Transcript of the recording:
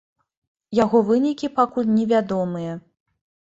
Яго вынікі пакуль невядомыя.